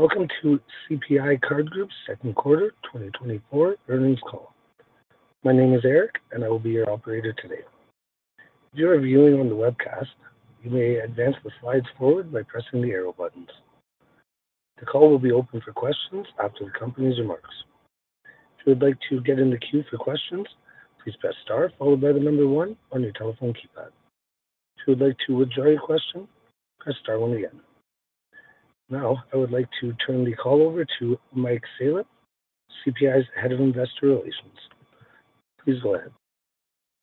Welcome to CPI Card Group's second quarter 2024 earnings call. My name is Eric, and I will be your operator today. If you are viewing on the webcast, you may advance the slides forward by pressing the arrow buttons. The call will be open for questions after the company's remarks. If you would like to get in the queue for questions, please press star followed by the number one on your telephone keypad. If you would like to withdraw your question, press star one again. Now, I would like to turn the call over to Mike Salop, CPI's Head of Investor Relations. Please go ahead.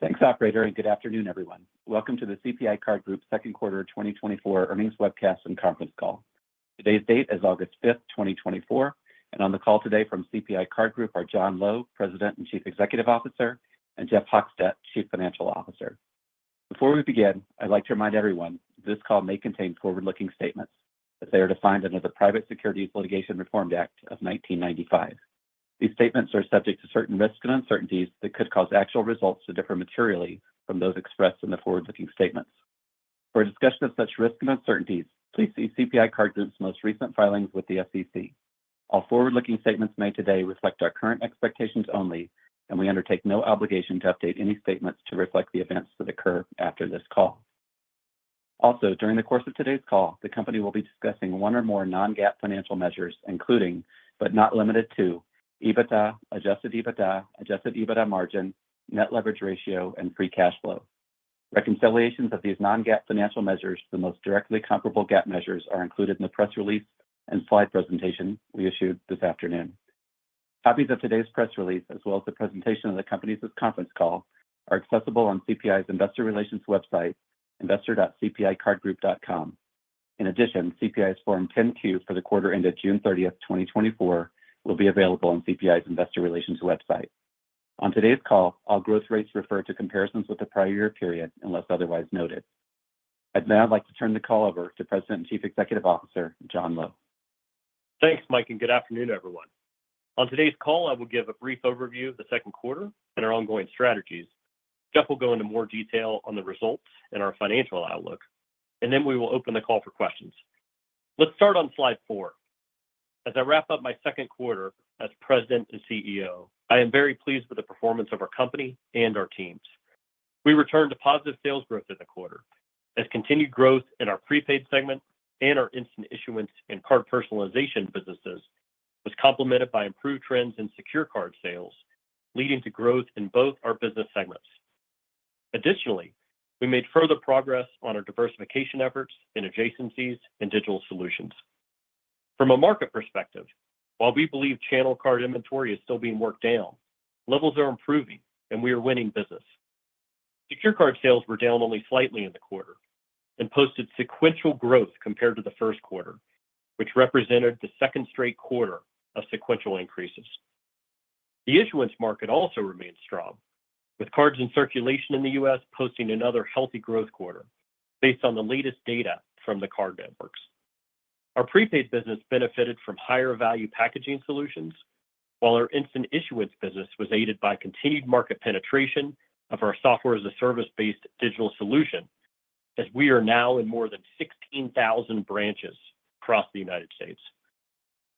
Thanks, operator, and good afternoon, everyone. Welcome to the CPI Card Group's second quarter 2024 earnings webcast and conference call. Today's date is August 5, 2024, and on the call today from CPI Card Group are John Lowe, President and Chief Executive Officer, and Jeff Hochstadt, Chief Financial Officer. Before we begin, I'd like to remind everyone this call may contain forward-looking statements, as they are defined under the Private Securities Litigation Reform Act of 1995. These statements are subject to certain risks and uncertainties that could cause actual results to differ materially from those expressed in the forward-looking statements. For a discussion of such risks and uncertainties, please see CPI Card Group's most recent filings with the SEC. All forward-looking statements made today reflect our current expectations only, and we undertake no obligation to update any statements to reflect the events that occur after this call. Also, during the course of today's call, the company will be discussing one or more non-GAAP financial measures, including, but not limited to, EBITDA, Adjusted EBITDA, Adjusted EBITDA margin, net leverage ratio, and free cash flow. Reconciliations of these non-GAAP financial measures to the most directly comparable GAAP measures are included in the press release and slide presentation we issued this afternoon. Copies of today's press release, as well as the presentation of the company's conference call, are accessible on CPI's investor relations website, investor.cpicardgroup.com. In addition, CPI's Form 10-Q for the quarter ended June 30, 2024, will be available on CPI's investor relations website. On today's call, all growth rates refer to comparisons with the prior year period, unless otherwise noted. I'd now like to turn the call over to President and Chief Executive Officer, John Lowe. Thanks, Mike, and good afternoon, everyone. On today's call, I will give a brief overview of the second quarter and our ongoing strategies. Jeff will go into more detail on the results and our financial outlook, and then we will open the call for questions. Let's start on slide four. As I wrap up my second quarter as President and Chief Executive Officer, I am very pleased with the performance of our company and our teams. We returned to positive sales growth in the quarter as continued growth in our prepaid segment and our instant issuance and card personalization businesses was complemented by improved trends in secure card sales, leading to growth in both our business segments. Additionally, we made further progress on our diversification efforts in adjacencies and digital solutions. From a market perspective, while we believe channel card inventory is still being worked down, levels are improving, and we are winning business. Secure card sales were down only slightly in the quarter and posted sequential growth compared to the first quarter, which represented the second straight quarter of sequential increases. The issuance market also remains strong, with cards in circulation in the U.S. posting another healthy growth quarter based on the latest data from the card networks. Our prepaid business benefited from higher value packaging solutions, while our instant issuance business was aided by continued market penetration of our Software-as-a-Service-based digital solution, as we are now in more than 16,000 branches across the United States.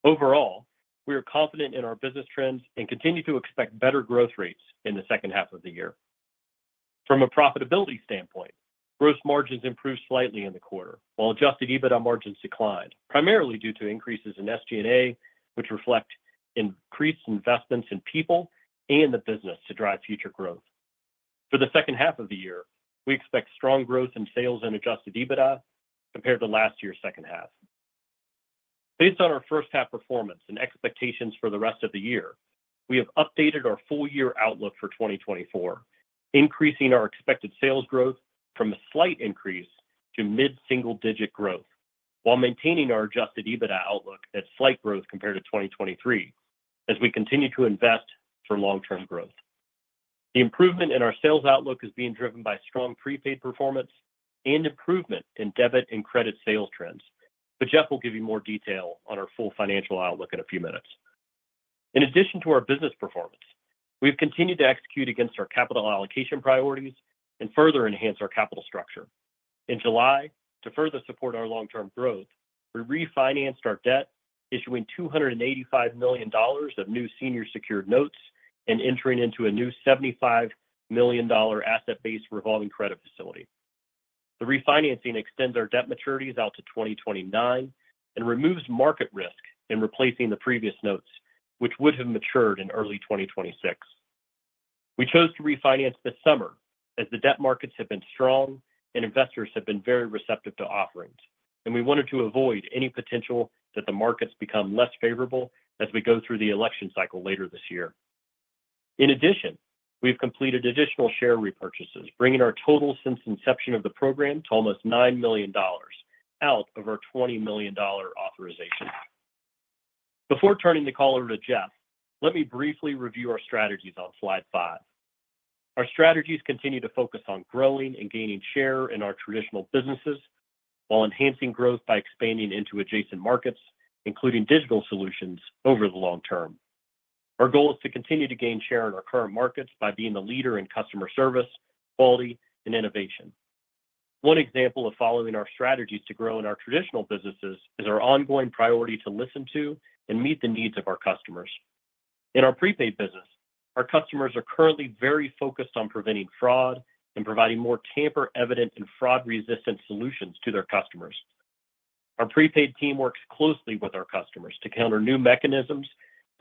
Overall, we are confident in our business trends and continue to expect better growth rates in the H2 of the year. From a profitability standpoint, gross margins improved slightly in the quarter, while Adjusted EBITDA margins declined, primarily due to increases in SG&A, which reflect increased investments in people and the business to drive future growth. For the H2 of the year, we expect strong growth in sales and Adjusted EBITDA compared to last year's H2. Based on our H1 performance and expectations for the rest of the year, we have updated our full-year outlook for 2024, increasing our expected sales growth from a slight increase to mid-single-digit growth, while maintaining our Adjusted EBITDA outlook at slight growth compared to 2023 as we continue to invest for long-term growth. The improvement in our sales outlook is being driven by strong prepaid performance and improvement in debit and credit sales trends. Jeff will give you more detail on our full financial outlook in a few minutes. In addition to our business performance, we've continued to execute against our capital allocation priorities and further enhance our capital structure. In July, to further support our long-term growth, we refinanced our debt, issuing $285 million of new senior secured notes and entering into a new $75 million Asset-Based Revolving Credit Facility. The refinancing extends our debt maturities out to 2029 and removes market risk in replacing the previous notes, which would have matured in early 2026. We chose to refinance this summer as the debt markets have been strong and investors have been very receptive to offerings, and we wanted to avoid any potential that the markets become less favorable as we go through the election cycle later this year. In addition, we've completed additional share repurchases, bringing our total since inception of the program to almost $9 million, out of our $20 million authorization. Before turning the call over to Jeff, let me briefly review our strategies on slide five. Our strategies continue to focus on growing and gaining share in our traditional businesses while enhancing growth by expanding into adjacent markets, including digital solutions, over the long term. Our goal is to continue to gain share in our current markets by being the leader in customer service, quality, and innovation. One example of following our strategies to grow in our traditional businesses is our ongoing priority to listen to and meet the needs of our customers. In our prepaid business, our customers are currently very focused on preventing fraud and providing more tamper-evident and fraud-resistant solutions to their customers. Our prepaid team works closely with our customers to counter new mechanisms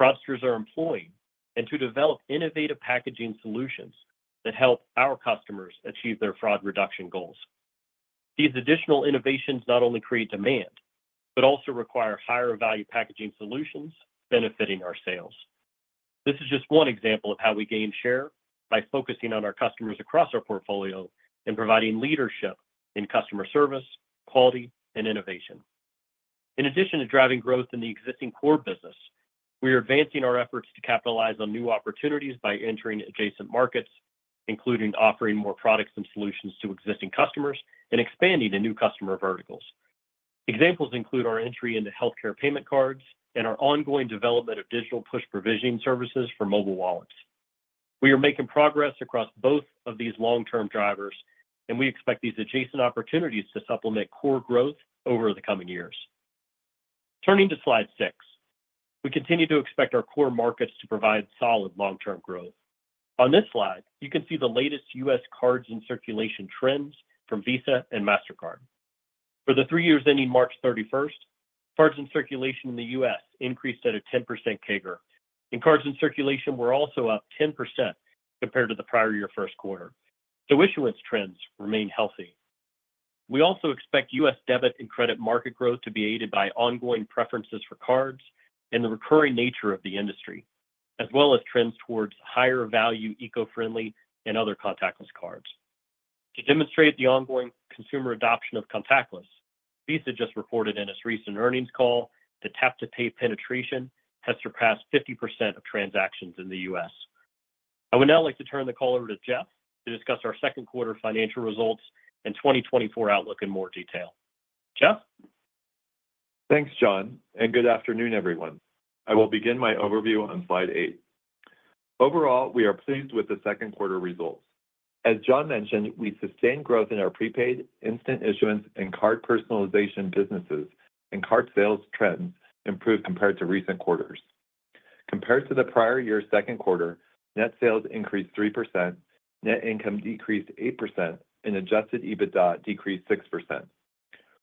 fraudsters are employing, and to develop innovative packaging solutions that help our customers achieve their fraud reduction goals. These additional innovations not only create demand, but also require higher value packaging solutions, benefiting our sales. This is just one example of how we gain share by focusing on our customers across our portfolio and providing leadership in customer service, quality, and innovation. In addition to driving growth in the existing core business, we are advancing our efforts to capitalize on new opportunities by entering adjacent markets, including offering more products and solutions to existing customers and expanding to new customer verticals. Examples include our entry into healthcare payment cards and our ongoing development of digital push provisioning services for mobile wallets. We are making progress across both of these long-term drivers, and we expect these adjacent opportunities to supplement core growth over the coming years. Turning to slide six, we continue to expect our core markets to provide solid long-term growth. On this slide, you can see the latest U.S. cards in circulation trends from Visa and Mastercard. For the 3 years ending March 31, cards in circulation in the U.S. increased at a 10% CAGR, and cards in circulation were also up 10% compared to the prior year first quarter, so issuance trends remain healthy. We also expect U.S. debit and credit market growth to be aided by ongoing preferences for cards and the recurring nature of the industry, as well as trends towards higher value, eco-friendly, and other contactless cards. To demonstrate the ongoing consumer adoption of contactless, Visa just reported in its recent earnings call that Tap-to-Pay penetration has surpassed 50% of transactions in the U.S. I would now like to turn the call over to Jeff to discuss our second quarter financial results and 2024 outlook in more detail. Jeff? Thanks, John, and good afternoon, everyone. I will begin my overview on slide eight. Overall, we are pleased with the second quarter results. As John mentioned, we sustained growth in our prepaid instant issuance and card personalization businesses, and card sales trends improved compared to recent quarters. Compared to the prior year's second quarter, net sales increased 3%, net income decreased 8%, and Adjusted EBITDA decreased 6%.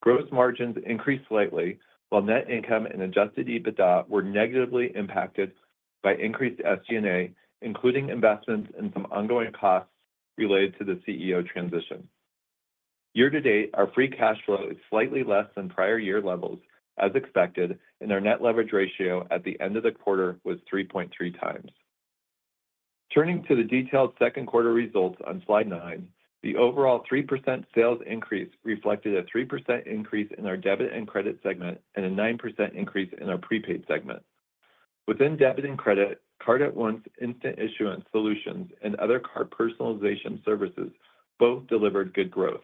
Gross margins increased slightly, while net income and Adjusted EBITDA were negatively impacted by increased SG&A, including investments and some ongoing costs related to the CEO transition. Year to date, our free cash flow is slightly less than prior year levels, as expected, and our net leverage ratio at the end of the quarter was 3.3x. Turning to the detailed second quarter results on slide nine, the overall 3% sales increase reflected a 3% increase in our debit and credit segment and a 9% increase in our prepaid segment. Within debit and credit, Card@Once instant issuance solutions and other card personalization services both delivered good growth.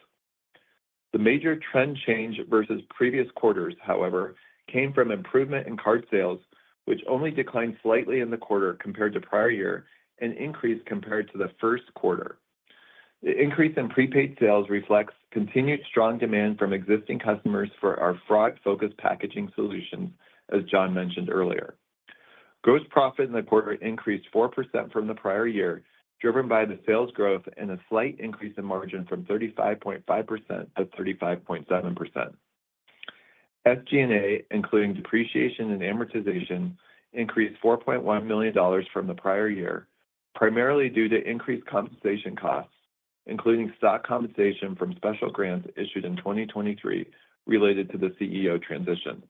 The major trend change versus previous quarters, however, came from improvement in card sales, which only declined slightly in the quarter compared to prior year and increased compared to the first quarter. The increase in prepaid sales reflects continued strong demand from existing customers for our fraud-focused packaging solutions, as John mentioned earlier. Gross profit in the quarter increased 4% from the prior year, driven by the sales growth and a slight increase in margin from 35.5% to 35.7%. SG&A, including depreciation and amortization, increased $4.1 million from the prior year, primarily due to increased compensation costs, including stock compensation from special grants issued in 2023 related to the CEO transition.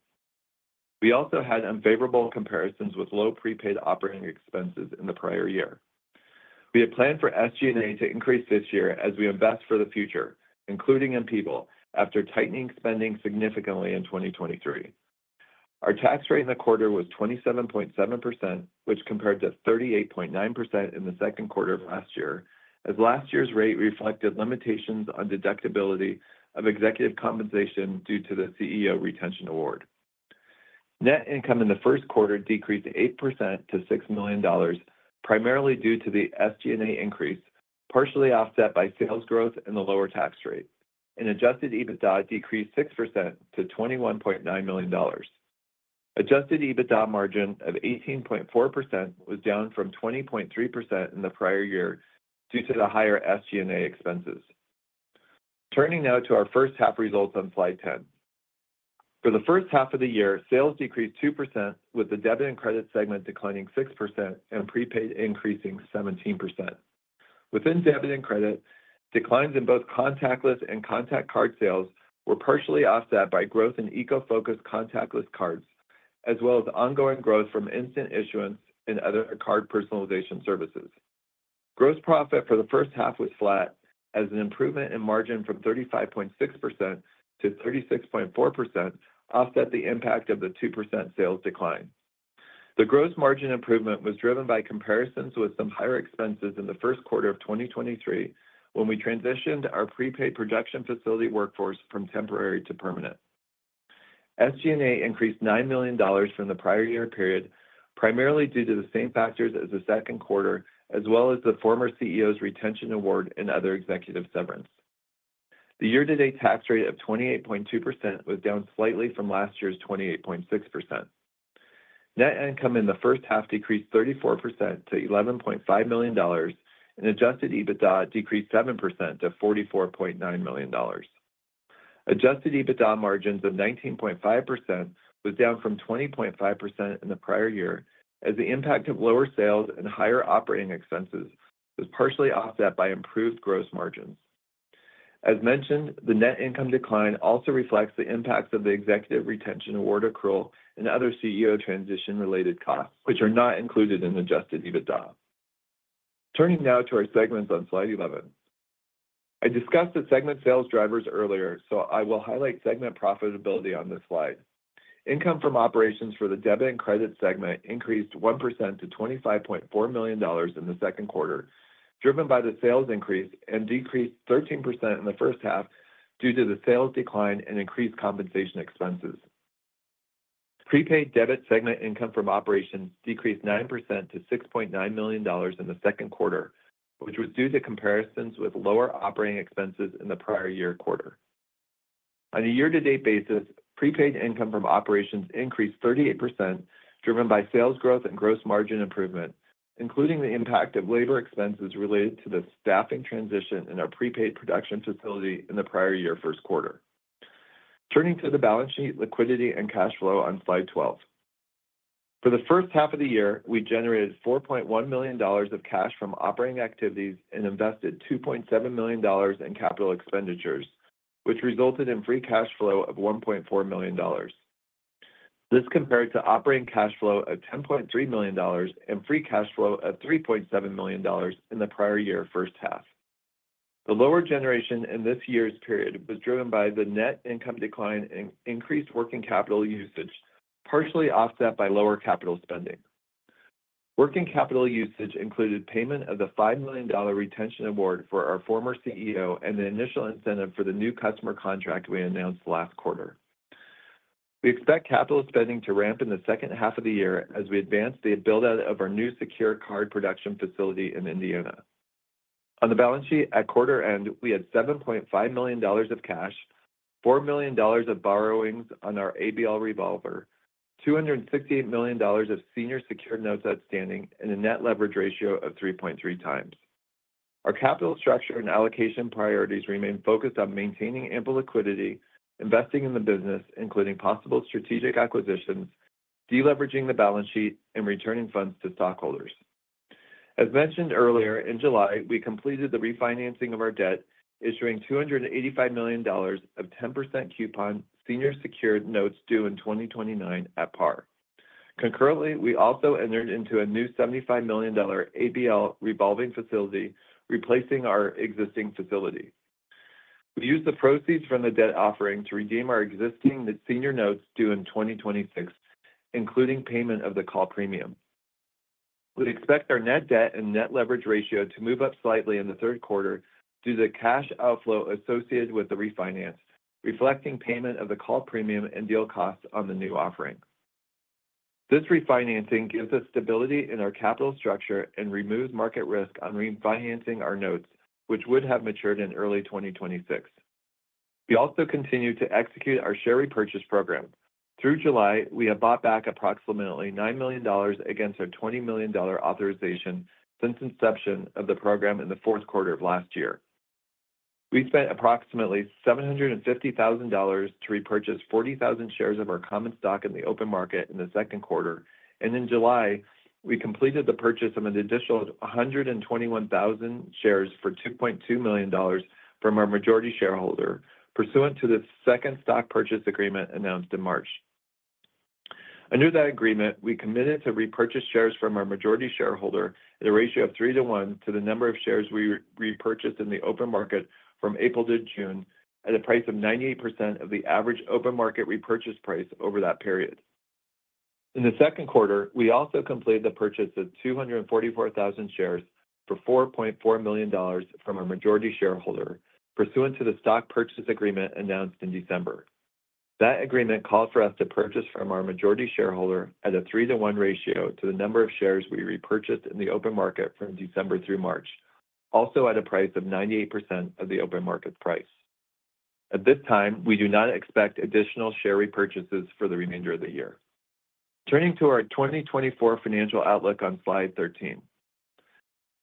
We also had unfavorable comparisons with low prepaid operating expenses in the prior year. We had planned for SG&A to increase this year as we invest for the future, including in people, after tightening spending significantly in 2023. Our tax rate in the quarter was 27.7%, which compared to 38.9% in the second quarter of last year, as last year's rate reflected limitations on deductibility of executive compensation due to the CEO retention award. Net income in the first quarter decreased 8% to $6 million, primarily due to the SG&A increase, partially offset by sales growth and the lower tax rate, and Adjusted EBITDA decreased 6% to $21.9 million. Adjusted EBITDA margin of 18.4% was down from 20.3% in the prior year due to the higher SG&A expenses. Turning now to our H1 results on slide 10. For the H1 of the year, sales decreased 2%, with the debit and credit segment declining 6% and prepaid increasing 17%. Within debit and credit, declines in both contactless and contact card sales were partially offset by growth in eco-focused contactless cards, as well as ongoing growth from instant issuance and other card personalization services. Gross profit for the H1 was flat as an improvement in margin from 35.6% to 36.4% offset the impact of the 2% sales decline. The gross margin improvement was driven by comparisons with some higher expenses in the first quarter of 2023, when we transitioned our prepaid production facility workforce from temporary to permanent. SG&A increased $9 million from the prior year period, primarily due to the same factors as the second quarter, as well as the former CEO's retention award and other executive severance. The year-to-date tax rate of 28.2% was down slightly from last year's 28.6%. Net income in the H1 decreased 34% to $11.5 million, and Adjusted EBITDA decreased 7% to $44.9 million. Adjusted EBITDA margins of 19.5% was down from 20.5% in the prior year, as the impact of lower sales and higher operating expenses was partially offset by improved gross margins. As mentioned, the net income decline also reflects the impacts of the executive retention award accrual and other CEO transition-related costs, which are not included in Adjusted EBITDA. Turning now to our segments on slide 11. I discussed the segment sales drivers earlier, so I will highlight segment profitability on this slide. Income from operations for the debit and credit segment increased 1% to $25.4 million in the second quarter, driven by the sales increase and decreased 13% in the H1 due to the sales decline and increased compensation expenses. Prepaid debit segment income from operations decreased 9% to $6.9 million in the second quarter, which was due to comparisons with lower operating expenses in the prior year quarter. On a year-to-date basis, prepaid income from operations increased 38%, driven by sales growth and gross margin improvement, including the impact of labor expenses related to the staffing transition in our prepaid production facility in the prior year first quarter. Turning to the balance sheet, liquidity, and cash flow on slide 12. For the H1 of the year, we generated $4.1 million of cash from operating activities and invested $2.7 million in capital expenditures, which resulted in free cash flow of $1.4 million. This compared to operating cash flow of $10.3 million and free cash flow of $3.7 million in the prior year H1. The lower generation in this year's period was driven by the net income decline and increased working capital usage, partially offset by lower capital spending. Working capital usage included payment of the $5 million retention award for our former CEO and the initial incentive for the new customer contract we announced last quarter. We expect capital spending to ramp in the H2 of the year as we advance the build-out of our new secure card production facility in Indiana. On the balance sheet, at quarter end, we had $7.5 million of cash, $4 million of borrowings on our ABL revolver, $268 million of senior secured notes outstanding, and a net leverage ratio of 3.3x. Our capital structure and allocation priorities remain focused on maintaining ample liquidity, investing in the business, including possible strategic acquisitions, deleveraging the balance sheet, and returning funds to stockholders. As mentioned earlier, in July, we completed the refinancing of our debt, issuing $285 million of 10% coupon senior secured notes due in 2029 at par. Concurrently, we also entered into a new $75 million ABL revolving facility, replacing our existing facility. We used the proceeds from the debt offering to redeem our existing senior notes due in 2026, including payment of the call premium. We expect our net debt and Net Leverage Ratio to move up slightly in the third quarter due to the cash outflow associated with the refinance, reflecting payment of the call premium and deal costs on the new offering. This refinancing gives us stability in our capital structure and removes market risk on refinancing our notes, which would have matured in early 2026. We also continue to execute our share repurchase program. Through July, we have bought back approximately $9 million against our $20 million authorization since inception of the program in the fourth quarter of last year. We spent approximately $750,000 to repurchase 40,000 shares of our common stock in the open market in the second quarter, and in July, we completed the purchase of an additional 121,000 shares for $2.2 million from our majority shareholder, pursuant to the second stock purchase agreement announced in March. Under that agreement, we committed to repurchase shares from our majority shareholder at a ratio of three to one to the number of shares we repurchased in the open market from April to June at a price of 98% of the average open market repurchase price over that period. In the second quarter, we also completed the purchase of 244,000 shares for $4.4 million from our majority shareholder, pursuant to the stock purchase agreement announced in December. That agreement called for us to purchase from our majority shareholder at a 3-to-1 ratio to the number of shares we repurchased in the open market from December through March, also at a price of 98% of the open market price. At this time, we do not expect additional share repurchases for the remainder of the year. Turning to our 2024 financial outlook on slide 13.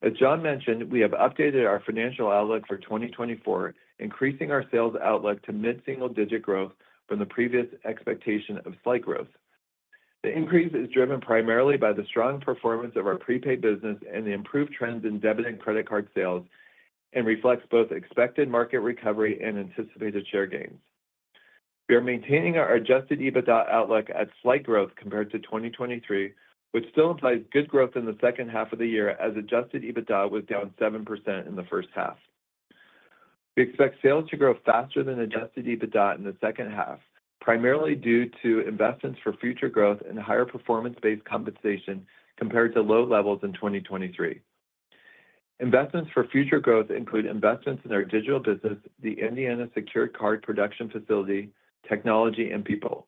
As John mentioned, we have updated our financial outlook for 2024, increasing our sales outlook to mid-single-digit growth from the previous expectation of slight growth. The increase is driven primarily by the strong performance of our prepaid business and the improved trends in debit and credit card sales, and reflects both expected market recovery and anticipated share gains. We are maintaining our Adjusted EBITDA outlook at slight growth compared to 2023, which still implies good growth in the H2 of the year, as Adjusted EBITDA was down 7% in the H1. We expect sales to grow faster than Adjusted EBITDA in the H2, primarily due to investments for future growth and higher performance-based compensation compared to low levels in 2023. Investments for future growth include investments in our digital business, the Indiana secure card production facility, technology, and people.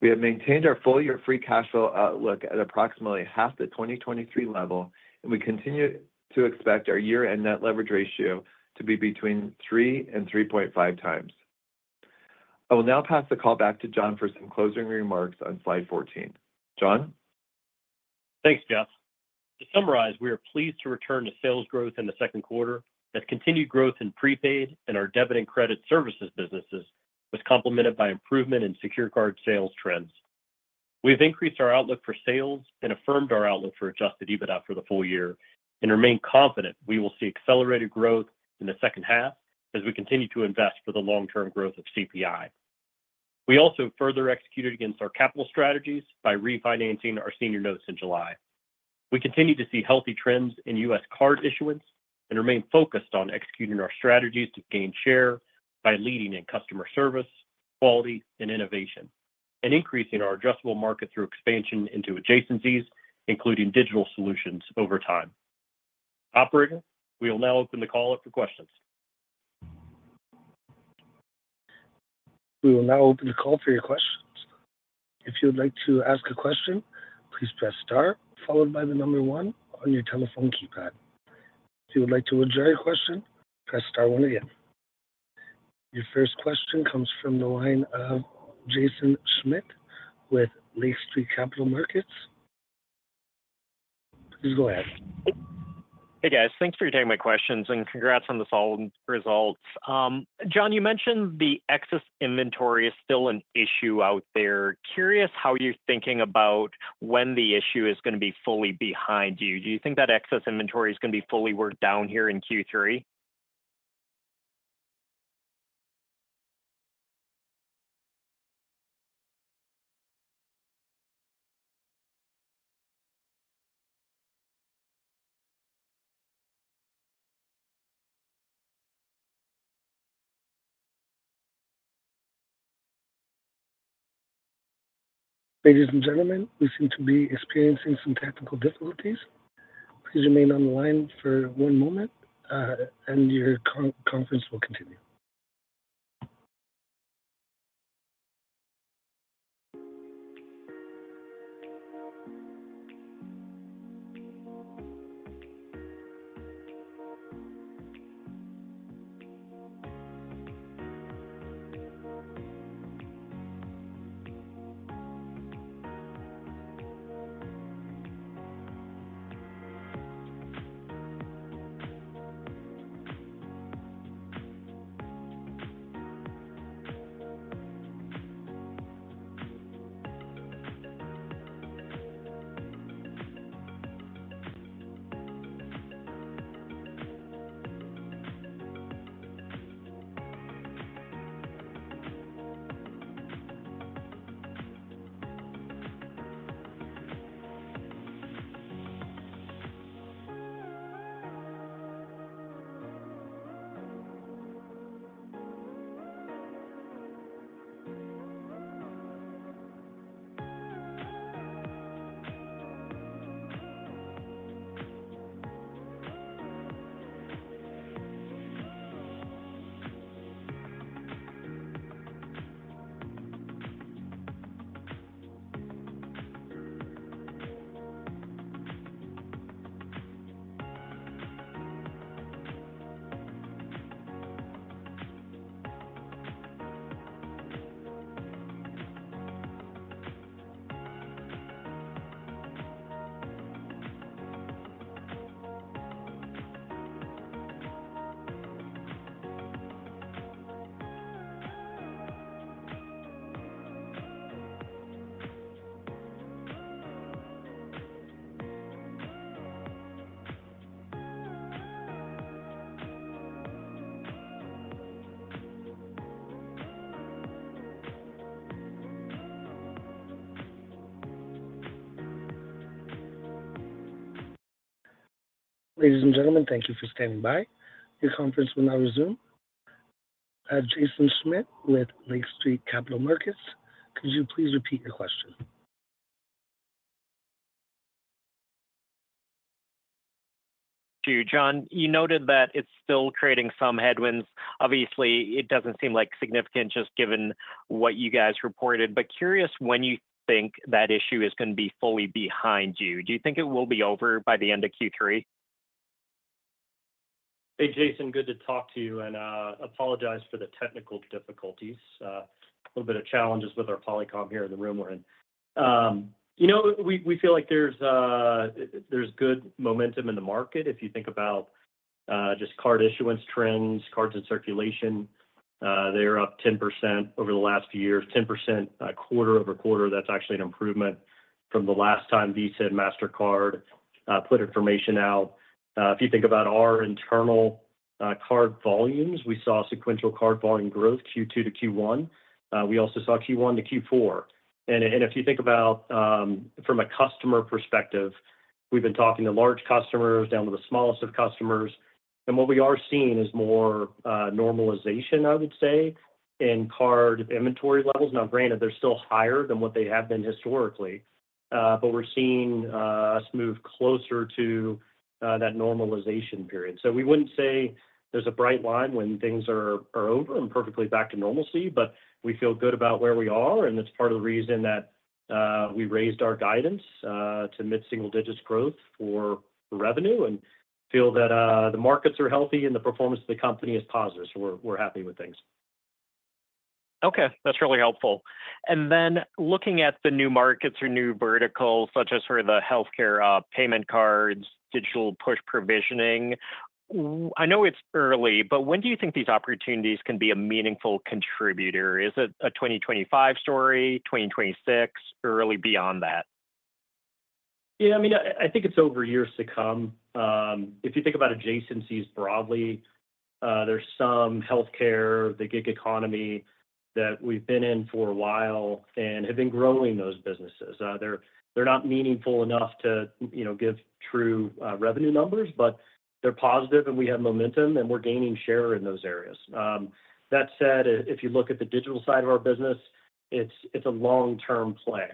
We have maintained our full-year free cash flow outlook at approximately half the 2023 level, and we continue to expect our year-end net leverage ratio to be between 3x and 3.5x. I will now pass the call back to John for some closing remarks on slide 14. John? Thanks, Jeff. To summarize, we are pleased to return to sales growth in the second quarter, that continued growth in prepaid and our debit and credit services businesses was complemented by improvement in Secure Card sales trends. We've increased our outlook for sales and affirmed our outlook for Adjusted EBITDA for the full year and remain confident we will see accelerated growth in the H2 as we continue to invest for the long-term growth of CPI. We also further executed against our capital strategies by refinancing our senior notes in July. We continue to see healthy trends in U.S. card issuance and remain focused on executing our strategies to gain share by leading in customer service, quality, and innovation, and increasing our addressable market through expansion into adjacencies, including digital solutions over time. Operator, we will now open the call up for questions. We will now open the call for your questions. If you would like to ask a question, please press star followed by the number one on your telephone keypad. If you would like to withdraw your question, press star one again. Your first question comes from the line of Jaeson Schmidt with Lake Street Capital Markets. Please go ahead. Hey, guys. Thanks for taking my questions, and congrats on the solid results. John, you mentioned the excess inventory is still an issue out there. Curious how you're thinking about when the issue is going to be fully behind you. Do you think that excess inventory is going to be fully worked down here in Q3? Ladies and gentlemen, we seem to be experiencing some technical difficulties. Please remain on the line for one moment, and your conference will continue. Ladies and gentlemen, thank you for standing by. Your conference will now resume. Jaeson Schmidt with Lake Street Capital Markets, could you please repeat your question? To you, John, you noted that it's still creating some headwinds. Obviously, it doesn't seem like significant, just given what you guys reported, but curious when you think that issue is going to be fully behind you. Do you think it will be over by the end of Q3? Hey, Jaeson, good to talk to you, and apologize for the technical difficulties. A little bit of challenges with our Polycom here in the room we're in. You know, we feel like there's good momentum in the market. If you think about just card issuance trends, cards in circulation, they are up 10% over the last year, 10%, quarter-over-quarter. That's actually an improvement from the last time Visa and Mastercard put information out. If you think about our internal card volumes, we saw sequential card volume growth, Q2 to Q1. We also saw Q1 to Q4. And if you think about from a customer perspective, we've been talking to large customers down to the smallest of customers. What we are seeing is more normalization, I would say, in card inventory levels. Now, granted, they're still higher than what they have been historically, but we're seeing us move closer to that normalization period. So we wouldn't say there's a bright line when things are over and perfectly back to normalcy, but we feel good about where we are, and it's part of the reason that we raised our guidance to mid-single-digit growth for revenue and feel that the markets are healthy and the performance of the company is positive. So we're happy with things. Okay, that's really helpful. And then looking at the new markets or new verticals, such as for the healthcare payment cards, digital push provisioning, I know it's early, but when do you think these opportunities can be a meaningful contributor? Is it a 2025 story, 2026, or really beyond that? Yeah, I mean, I think it's over years to come. If you think about adjacencies broadly, there's some healthcare, the gig economy that we've been in for a while and have been growing those businesses. They're not meaningful enough to, you know, give true revenue numbers, but they're positive, and we have momentum, and we're gaining share in those areas. That said, if you look at the digital side of our business, it's a long-term play.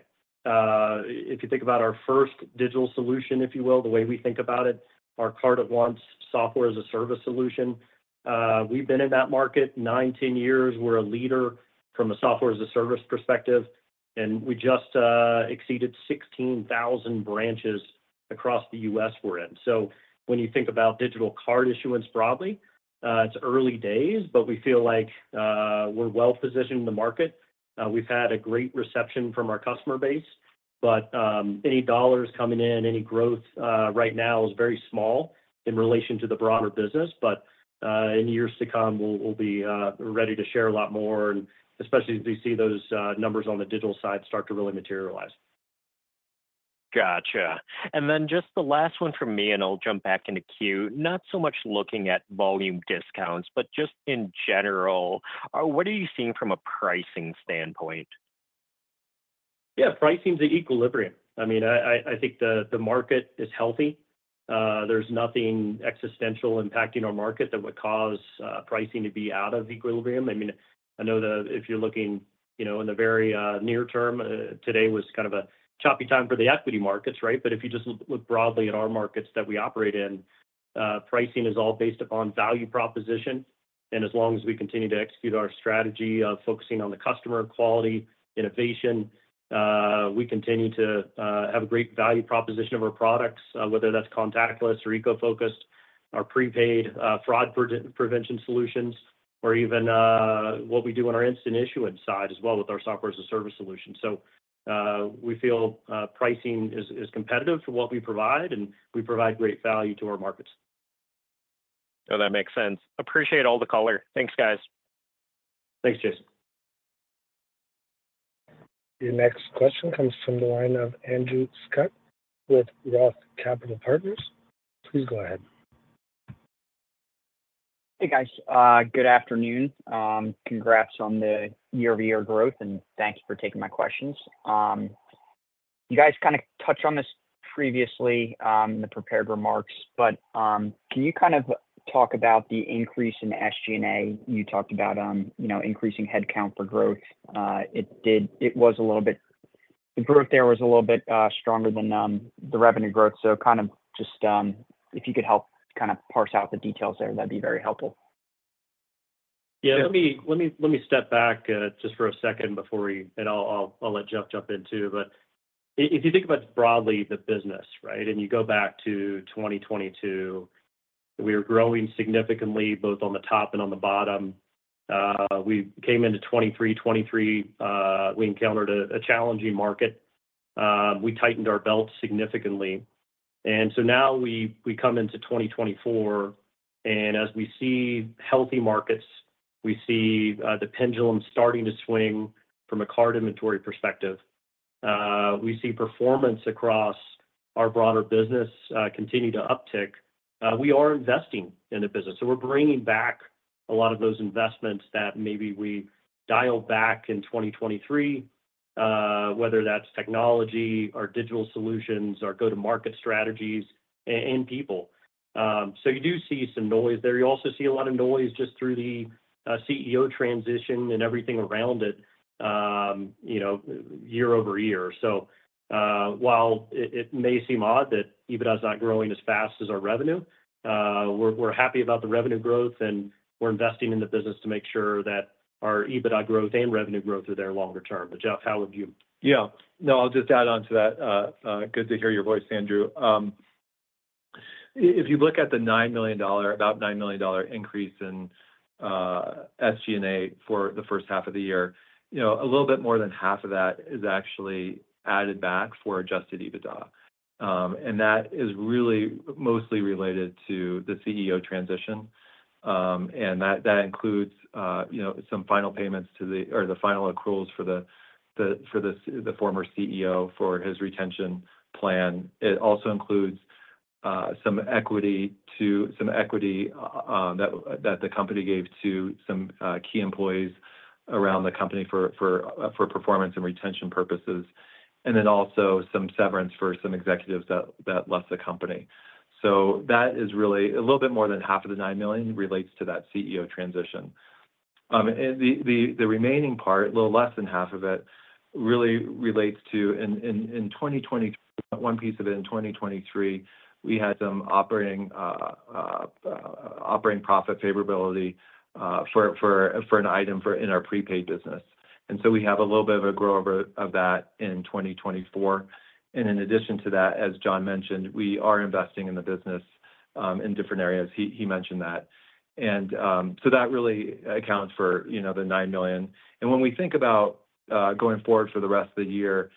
If you think about our first digital solution, if you will, the way we think about it, our Card@Once Software-as-a-Service solution, we've been in that market nine, 10 years. We're a leader from a Software-as-a-Service perspective, and we just exceeded 16,000 branches across the U.S. we're in. So when you think about digital card issuance broadly, it's early days, but we feel like, we're well-positioned in the market. We've had a great reception from our customer base, but, any dollars coming in, any growth, right now is very small in relation to the broader business, but, in years to come, we'll, we'll be, ready to share a lot more and especially as we see those, numbers on the digital side start to really materialize. Gotcha. And then just the last one from me, and I'll jump back into queue. Not so much looking at volume discounts, but just in general, what are you seeing from a pricing standpoint? Yeah, pricing is the equilibrium. I mean, I think the market is healthy. There's nothing existential impacting our market that would cause pricing to be out of equilibrium. I mean, I know that if you're looking, you know, in the very near term, today was kind of a choppy time for the equity markets, right? But if you just look broadly at our markets that we operate in, pricing is all based upon value proposition, and as long as we continue to execute our strategy of focusing on the customer quality, innovation, we continue to have a great value proposition of our products, whether that's contactless or eco-focused, our prepaid, fraud prevention solutions, or even what we do on our instant issuance side as well with our software as a service solution. We feel pricing is competitive for what we provide, and we provide great value to our markets. So that makes sense. Appreciate all the color. Thanks, guys. Thanks, Jason. Your next question comes from the line of Andrew Scutt with Roth MKM. Please go ahead. Hey, guys. Good afternoon. Congrats on the year-over-year growth, and thank you for taking my questions. You guys kind of touched on this previously, in the prepared remarks, but can you kind of talk about the increase in the SG&A? You talked about, you know, increasing headcount for growth. The growth there was a little bit stronger than the revenue growth. So kind of just, if you could help kind of parse out the details there, that'd be very helpful. Yeah, let me step back just for a second before we... And I'll let Jeff jump in, too. But if you think about broadly the business, right, and you go back to 2022, we were growing significantly, both on the top and on the bottom. We came into 2023, we encountered a challenging market. We tightened our belts significantly. And so now we come into 2024, and as we see healthy markets, we see the pendulum starting to swing from a card inventory perspective. We see performance across our broader business continue to uptick. We are investing in the business, so we're bringing back a lot of those investments that maybe we dialed back in 2023, whether that's technology or digital solutions or go-to-market strategies and people. So you do see some noise there. You also see a lot of noise just through the CEO transition and everything around it, you know, year-over-year. So while it may seem odd that EBITDA is not growing as fast as our revenue, we're happy about the revenue growth, and we're investing in the business to make sure that our EBITDA growth and revenue growth are there longer term. But, Jeff, how would you? Yeah. No, I'll just add on to that. Good to hear your voice, Andrew. If you look at the $9 million—about $9 million—increase in SG&A for the H1 of the year, you know, a little bit more than half of that is actually added back for Adjusted EBITDA. And that includes some final payments or the final accruals for the former CEO for his retention plan. It also includes some equity that the company gave to some key employees around the company for performance and retention purposes, and then also some severance for some executives that left the company. So that is really a little bit more than half of the $9 million relates to that CEO transition, and the remaining part, a little less than half of it, really relates to the 2021 piece of it. In 2023, we had some operating profit favorability for an item in our prepaid business. And so we have a little bit of a grow over of that in 2024. And in addition to that, as John mentioned, we are investing in the business in different areas. He mentioned that. And so that really accounts for, you know, the $9 million. When we think about going forward for the rest of the year,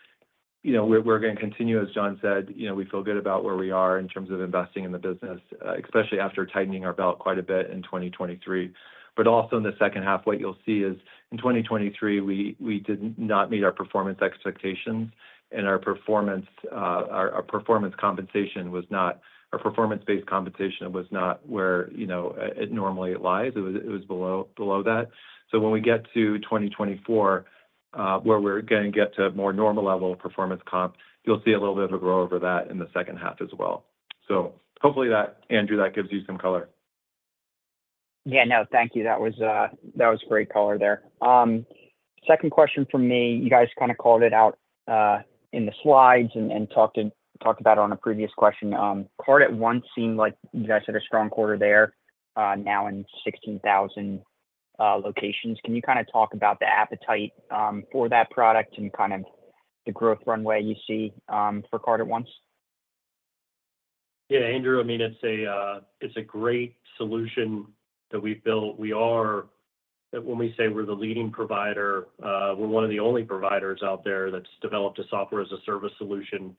you know, we're gonna continue, as John said, you know, we feel good about where we are in terms of investing in the business, especially after tightening our belt quite a bit in 2023. But also in the H2, what you'll see is, in 2023, we did not meet our performance expectations, and our performance compensation was not our performance-based compensation was not where, you know, it normally lies. It was below that. So when we get to 2024, where we're gonna get to a more normal level of performance comp, you'll see a little bit of a growth over that in the H2 as well. So hopefully that, Andrew, that gives you some color. Yeah. No, thank you. That was great color there. Second question from me. You guys kind of called it out in the slides and talked about it on a previous question. Card@Once seemed like you guys had a strong quarter there, now in 16,000 locations. Can you kind of talk about the appetite for that product and kind of the growth runway you see for Card@Once? Yeah, Andrew, I mean, it's a great solution that we've built. We are. When we say we're the leading provider, we're one of the only providers out there that's developed a Software-as-a-Service solution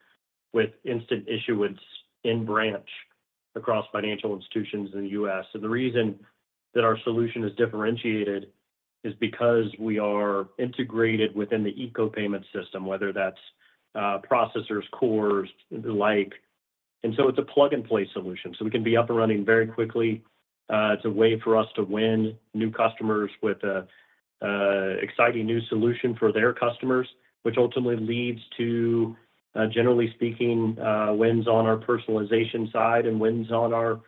with instant issuance in branch across financial institutions in the U.S. And the reason that our solution is differentiated is because we are integrated within the core payment system, whether that's processors, cores, the like. And so it's a plug-and-play solution, so we can be up and running very quickly. It's a way for us to win new customers with a exciting new solution for their customers, which ultimately leads to, generally speaking, wins on our personalization side and wins on our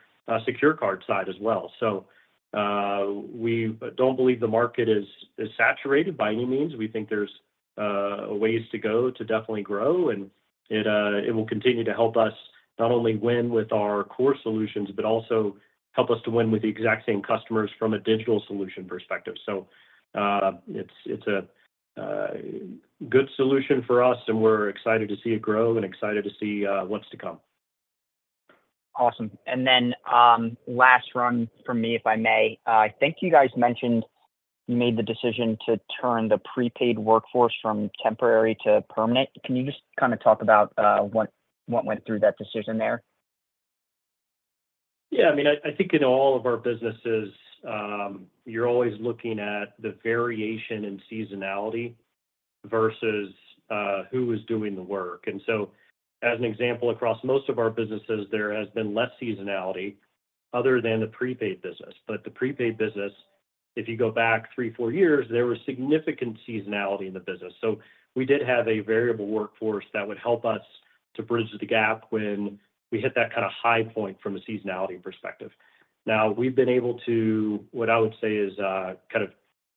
secure card side as well. So, we don't believe the market is saturated by any means. We think there's ways to go to definitely grow, and it, it will continue to help us not only win with our core solutions, but also help us to win with the exact same customers from a digital solution perspective. So, it's, it's a good solution for us, and we're excited to see it grow and excited to see what's to come. Awesome. And then, last one from me, if I may. I think you guys mentioned you made the decision to turn the prepaid workforce from temporary to permanent. Can you just kind of talk about what went through that decision there? Yeah, I mean, I think in all of our businesses, you're always looking at the variation in seasonality versus who is doing the work. And so, as an example, across most of our businesses, there has been less seasonality other than the prepaid business. But the prepaid business, if you go back three, four years, there was significant seasonality in the business. So we did have a variable workforce that would help us to bridge the gap when we hit that kind of high point from a seasonality perspective. Now, we've been able to, what I would say is, kind of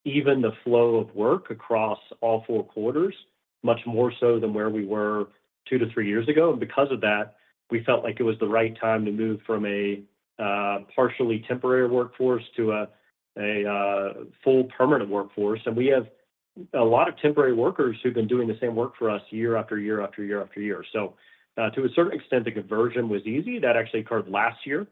even the flow of work across all four quarters, much more so than where we were two to three years ago. And because of that, we felt like it was the right time to move from a partially temporary workforce to a full permanent workforce. And we have a lot of temporary workers who've been doing the same work for us year after year, after year, after year. So, to a certain extent, the conversion was easy. That actually occurred last year.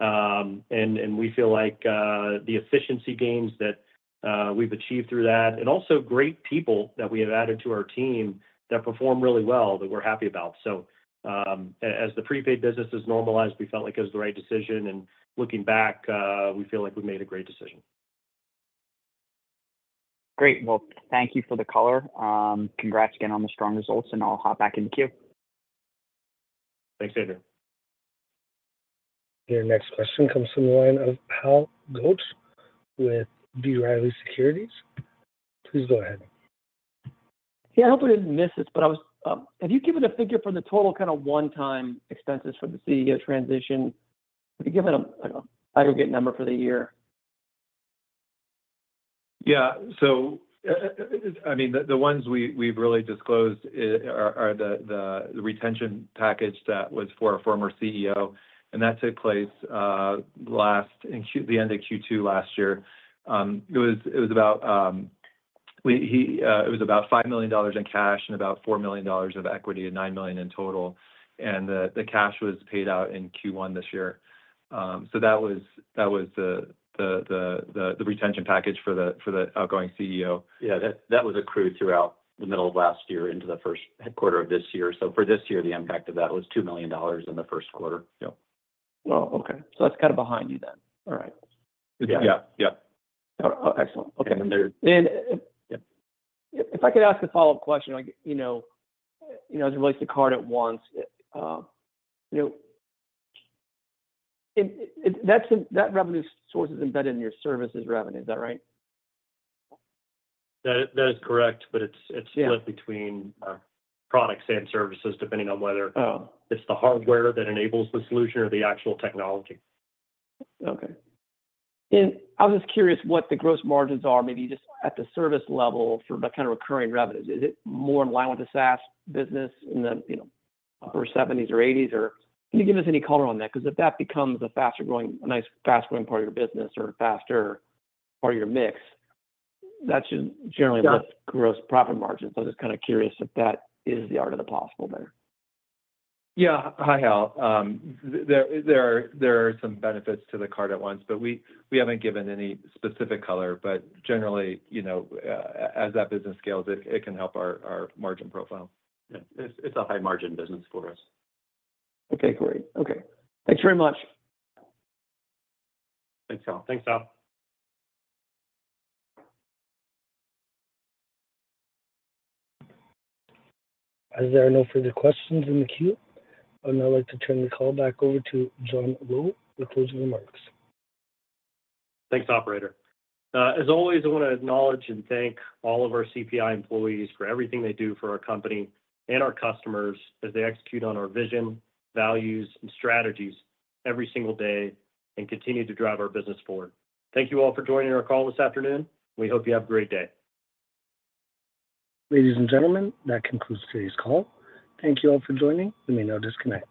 And we feel like the efficiency gains that we've achieved through that, and also great people that we have added to our team that perform really well, that we're happy about. So, as the prepaid business is normalized, we felt like it was the right decision, and looking back, we feel like we made a great decision. Great! Well, thank you for the color. Congrats again on the strong results, and I'll hop back in the queue. Thanks, Andrew. Your next question comes from the line of Hal Goetsch with B. Riley Securities. Please go ahead. Yeah, I hope I didn't miss this, but I was, have you given a figure for the total kind of one-time expenses for the CEO transition? Have you given an aggregate number for the year? Yeah, so, I mean, the ones we've really disclosed are the retention package that was for a former CEO, and that took place last in the end of Q2 last year. It was about $5 million in cash and about $4 million of equity, and $9 million in total, and the cash was paid out in Q1 this year. So that was the retention package for the outgoing CEO. Yeah, that, that was accrued throughout the middle of last year into the first quarter of this year. For this year, the impact of that was $2 million in the first quarter. Yeah. Oh, okay. So that's kind of behind you then? All right. Yeah. Yeah. Oh, excellent. Okay. And there- And if I could ask a follow-up question, like, you know, you know, as it relates to Card@Once, you know, it. That revenue source is embedded in your services revenue, is that right? That is correct, but it's- Yeah... it's split between, products and services, depending on whether- Oh... it's the hardware that enables the solution or the actual technology. Okay. And I was just curious what the gross margins are, maybe just at the service level for that kind of recurring revenues. Is it more in line with the SaaS business in the, you know, upper seventies or eighties? Or can you give us any color on that? Because if that becomes a faster growing- a nice, fast-growing part of your business or a faster part of your mix, that's generally- Yeah... less gross profit margin. So I'm just kind of curious if that is the art of the possible there? Yeah. Hi, Hal. There are some benefits to the Card@Once, but we haven't given any specific color. But generally, you know, as that business scales, it can help our margin profile. Yeah. It's a high-margin business for us. Okay, great. Okay. Thanks very much. Thanks, Hal. Thanks, Hal. As there are no further questions in the queue, I'd now like to turn the call back over to John Lowe for closing remarks. Thanks, operator. As always, I want to acknowledge and thank all of our CPI employees for everything they do for our company and our customers as they execute on our vision, values, and strategies every single day and continue to drive our business forward. Thank you all for joining our call this afternoon. We hope you have a great day. Ladies and gentlemen, that concludes today's call. Thank you all for joining. You may now disconnect.